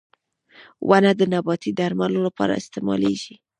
• ونه د نباتي درملو لپاره استعمالېږي.